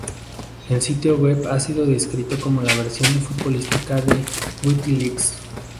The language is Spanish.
El sitio web ha sido descrito como la versión futbolística de WikiLeaks.